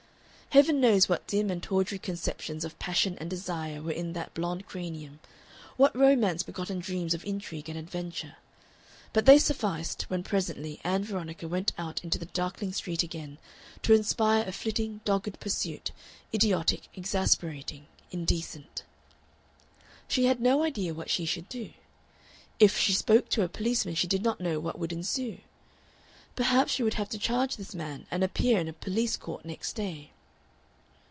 Heaven knows what dim and tawdry conceptions of passion and desire were in that blond cranium, what romance begotten dreams of intrigue and adventure! but they sufficed, when presently Ann Veronica went out into the darkling street again, to inspire a flitting, dogged pursuit, idiotic, exasperating, indecent. She had no idea what she should do. If she spoke to a policeman she did not know what would ensue. Perhaps she would have to charge this man and appear in a police court next day.